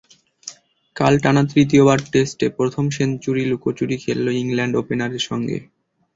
কাল টানা তৃতীয়বার টেস্টে প্রথম সেঞ্চুরি লুকোচুরি খেলল ইংল্যান্ড ওপেনারের সঙ্গে।